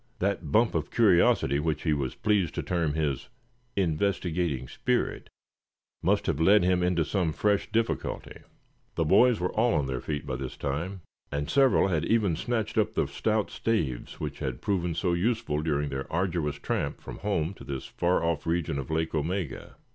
That bump of curiosity which he was pleased to term his "investigating spirit," must have led him into some fresh difficulty. The boys were all on their feet by this time, and several had even snatched up the stout staves which had proven so useful during their arduous tramp from home to this far off region of Lake Omega.